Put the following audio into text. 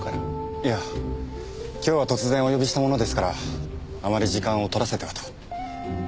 いや今日は突然お呼びしたものですからあまり時間を取らせてはと。